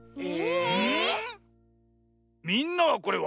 え